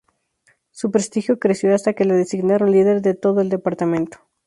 Su prestigio creció hasta que la designaron líder de todo el departamento.